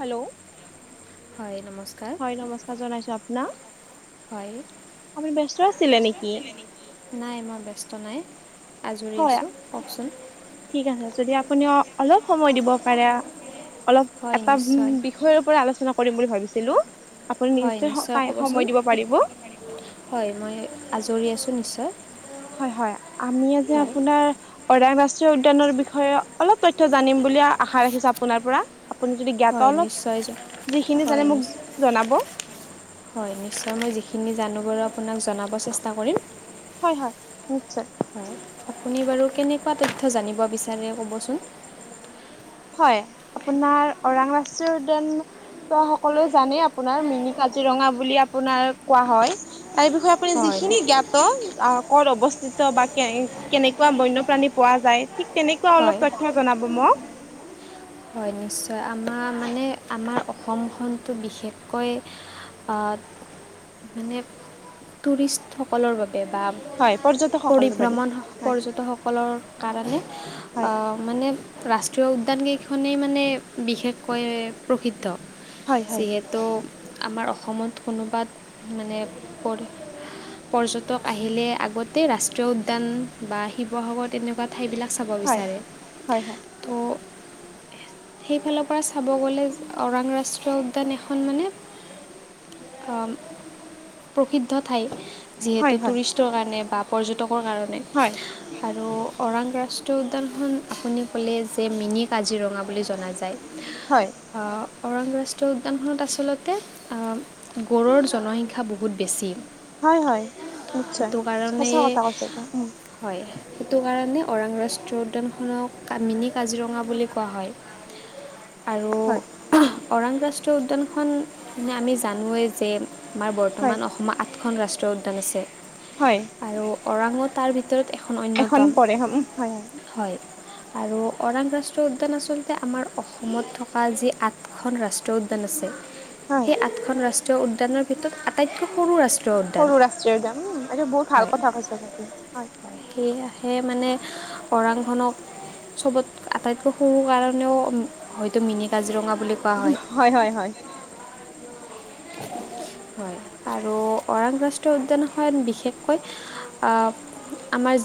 Hello. হয় নমস্কাৰ। হয় নমস্কাৰ জনাইছোঁ আপোনাক। হয়। আপুনি ব্যস্ত আছিলে নেকি নাই মই ব্যস্ত নাই। আজৰি হয় আছোঁ, কওকচোন। ঠিক আছে, যদি আপুনি অলপ সময় দিব পাৰে অলপ হয় এটা নিশ্চয় বিষয়ৰ পৰা আলোচনা কৰিম বুলি ভাবিছিলোঁ। আপুনি হয় নিশ্চয় ক'বচোন টা-সময় দিব পাৰিব। হয়, মই আজৰি আছোঁ নিশ্চয়। হয় হয়, আমি আজি হয় আপোনাৰ অৰাং ৰাষ্ট্ৰীয় উদ্যানৰ বিষয়ে অলপ তথ্য জানিম বুলি আশা ৰাখিছোঁ আপোনাৰ পৰা। আপুনি যদি জ্ঞাত হয় অলপ নিশ্চয় জ যিখিনি হয় জানে মোক নিশ্চয় জনাব। হয় নিশ্চয়, মই যিখিনি জানো বাৰু আপোনাক জনাব চেষ্টা কৰিম। হয় হয়, নিশ্চয়। হয়, আপুনি বাৰু কেনেকুৱা তথ্য জানিব বিচাৰে ক'বচোন। হয়, আপোনাৰ অৰাং ৰাষ্ট্ৰীয় উদ্যান ত' সকলোৱে জানে আপোনাৰ মিনি কাজিৰঙা বুলি আপোনাৰ কোৱা হয়, তাৰ বিষয়ে আপুনি হয় যিখিনি জ্ঞাত ত' আ, ক'ত অৱস্থিত বা কে-কেনেকুৱা বন্যপ্ৰাণী পোৱা যায় ঠিক তেনেকুৱা হয় অলপ তথ্য জনাব মোক। হয় নিশ্চয়, আমাৰ মানে আমাৰ অসমখনতো বিশেষকৈ আ, মানে টুৰিষ্টসকলৰ বাবে বা হয়, পৰ্যটকসকলৰ বাবে পৰিভ্ৰমণ হয়, পৰ্যটকসকলৰ কাৰণে অ হয়, মানে ৰাষ্ট্ৰীয় উদ্যান কেইখনেই মানে বিশেষকৈ প্ৰসিদ্ধ, হয়, হয়, যিহে ত' আমাৰ অসমত কোনোবাত মানে পৰ পৰ্যটক আহিলে আগতে ৰাষ্ট্ৰীয় উদ্যান বা শিৱসাগৰ তেনেকুৱা ঠাইবিলাক চাব। হয়, হয় হয়। ত' সেইফালৰ পৰা চাব গ'লে অৰাং ৰাষ্ট্ৰীয় উদ্যান এখন মানে আ, প্ৰসিদ্ধ ঠাই হয়, যিহেতু হয়, টুৰিষ্ট কাৰণে বা পৰ্যটকৰ কাৰণে। হয়। আৰু অৰাং ৰাষ্ট্ৰীয় উদ্যানখন আপুনি ক'লে যে মিনি কাজিৰঙা বুলি জনা যায়। হয়। অ' অৰাং ৰাষ্ট্ৰীয় উদ্যানখনত আচলতে আ গৰুৰ জনসংখ্যা বহুত বেছি। হয় হয় নিশ্চয় সেইটো কাৰণে সঁচা কথা কৈছে এটো উম। হয় সেইটো কাৰণে ওৰাং ৰাষ্ট্ৰীয় উদ্যানখনক কামিনি কাজিৰঙা বুলি কোৱা হয়। [inaudible] আৰু হয়। ওৰাং ৰাষ্ট্ৰীয় উদ্যানখন মানে আমি জানোৱেই যে আমাৰ হয়, বৰ্তমান অসমত সাতখন ৰাষ্ট্ৰীয় উদ্যান আছে। হয়। আৰু ওৰাঙো তাৰ ভিতৰত এখন অন্যতম হয়। আৰু ওৰাং ৰাষ্ট্ৰীয় উদ্যান আচলতে আমাৰ অসমত থকা যি আ খন ৰাষ্ট্ৰীয় উদ্যান আছে হয়। খন ৰাষ্ট্ৰীয় উদ্যানৰ ভিতৰত আটাইতকৈ সৰু ৰাষ সৰু ৰাষ্ট্ৰীয় উদ্যান উম এইটো বহুত ভাল কথা কৈছা তুমি হয়। সেয়হে মানে ওৰাংখনক চবত আটাইতকৈ সৰু কাৰণেও হয়তো মিনি কাজিৰঙা বুলি ক হয় হয় হয়। হয় আৰু ওৰাং ৰাষ্ট্ৰীয় উদ্যানখনত বিশেষকৈ অ আমাৰ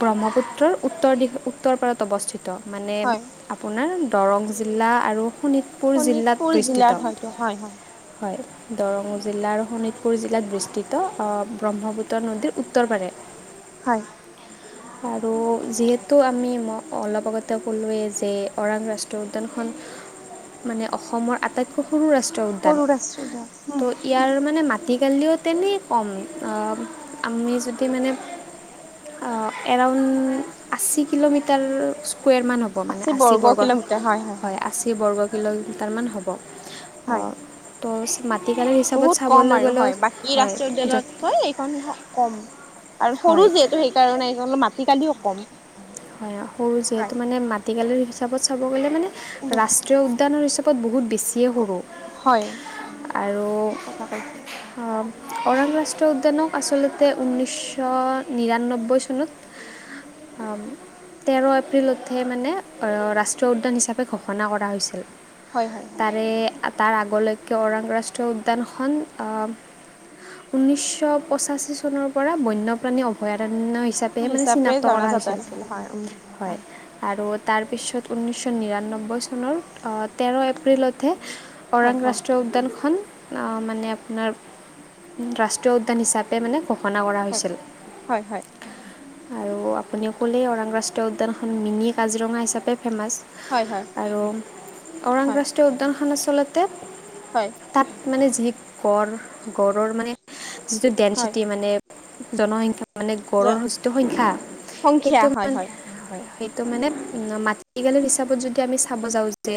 ব্ৰহ্মপুত্ৰৰ উত্তৰ দিশ উত্তৰ পাৰত অৱস্থিত। মানে হয় আপোনাৰ দৰং জিলা আৰু শোণিত শোণিতপুৰ জিলাত হয়তো হয় হয়। হয়। দৰং জিলা আৰু শোণিতপুৰ জিলাত বিস্তৃত অ ব্ৰহ্মপুত্ৰ নদীৰ উত্তৰ পাৰে। হয়। আৰু যিহেতু আমি ম অলপ আগতে কলোৱেই যে ওৰাং ৰাষ্ট্ৰীয় উদ্যানখন মানে অসমৰ আটাইতকৈ সৰু ৰাষ্ট্ৰীয় উদ্যান সৰু ৰাষ্ট্ৰীয় উদ্যান উম ত' ইয়াৰ মানে মাটিকালিও তেনে কম, অ আমি যদি মানে অ এৰাউণ্ড আশী কিলোমিটাৰ স্কুৱেৰ মান হ'ব। হ'ব মানে আশী বৰ্গ হয় আশী বৰ্গ কিলোমিটাৰমান হ'ব। অ হয় ত' মাটিকালৰ বহুত হিচাপত কম চাবলৈ আৰু গ'লে বাকী হয় ৰাষ্ট্ৰীয় য' উদ্যানতকৈ হয় এইখন কম আৰু সৰু হয় যিহেতু সেইকাৰণে এইখন মাটি কালিও কম। হয় সৰু যিহেতু হয়। মানে মাটিকালিৰ হিচাপত চাব গ'লে মানে বহুত ৰাষ্ট্ৰীয় উ দ্যানৰ হিচাপত বহুত বেছিয়ে সৰু হয় আৰু ঠিক কথা কৈছে অ ওৰাং ৰাষ্ট্ৰীয় উদ্যানক আচলতে ঊনৈছশ নিৰান্নব্বৈ চনত অম তেৰ এপ্ৰিলতহে মানে অ ৰাষ্ট্ৰীয় উদ্যান হিচাপে ঘোষণা কৰা হৈছিল। হয় হয় হয়। তাৰে তাৰ আগলৈকে ওৰাংৰাষ্ট্ৰীয় উদ্যানখন ঊনৈশ পঁচাশী চনৰ পৰা বন্যপ্ৰাণী অভয়াৰণ্য হিচাপে হিচাপে জনাজাত আছিল হয় উ। হয়। আৰু তাৰপিছত ঊনৈছশ নিৰান্নব্বৈ চনৰ তেৰ এপ্ৰিলতহে ওৰাং হয় হয় ৰাষ্ট্ৰীয় উদ্যানখন অ মানে আপোনাৰ ৰাষ্ট্ৰীয় উদ্যান হিচাপে মানে ক মানা কৰা হৈছিল। হয় হয় হয় আৰু আপুনি অকলে ওৰাং ৰাষ্ট্ৰীয় উদ্যানখন মিনি কাজিৰঙা হিচাপে, ফেমাচ। হয় হয় আৰু ওৰাং হয় ৰাষ্ট্ৰীয় উদ্যানখন আচলতে, হয়! তাত মানে, যি গঁড়, গঁড়ৰ মানে, যিটো হয় ডেঞ্চিটি মানে, জনসংখ্যা মানে, গঁড়ৰ যিটো সংখ্যা, সংখ্যা সেইটো হয় মানে হয় সেইটো মানে, মাটিকালি হিচাপত যদি আমি, চাব যাওঁ যে,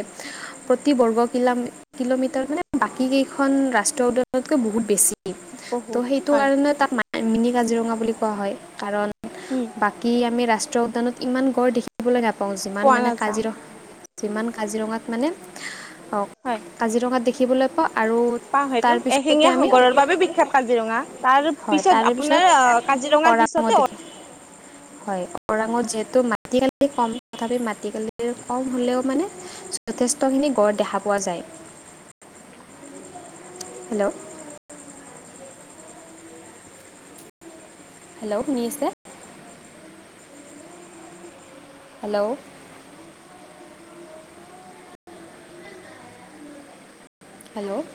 প্ৰতি বৰ্গ [unintelligible] কিলোমিটাৰ মানে, বাকী কেইখন ৰাষ্ট্ৰীয় উদ্যানতকৈ, বহুত বেছি। ত' বহুত সেইটো হয় কাৰণে, তাক মিনি কাজিৰঙা বুলি কোৱা হয়। কাৰণ, হোঁ! বাকী, আমি ৰাষ্ট্ৰীয় উদ্যানত ইমান গঁড় দেখিবলৈ নাপাওঁ। যিমান পোৱা মানে, নাযাওঁ কাজিৰ যিমান কাজিৰঙাত মানে, অ'! কাজিৰঙাত দেখিবলৈ পাওঁ। আৰু পাওঁ সেইটো। তাৰপিছতে এশিঙীয়া আমি গড়ৰ বাবে বিখ্যাত কাজিৰঙা। হয় তাৰপিছত, তাৰে পিছত আপোনাৰ আঁ কাজিৰঙাৰ ওৰাঙো পিছতে, দেখিম হয়! ওৰাঙত যিহেতু, মাটিকালি কম। তথাপি, মাটিকালি কম হ'লেও মানে, যথেষ্টখিনি গঁড় দেখা পোৱা যায়। [inaudible] [unintelligible] হেল্ল'? হেল্ল'! শুনি আছে? হেল্ল'? হেল্ল'?